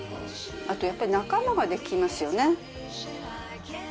あとやっぱり、仲間が出来ますよね。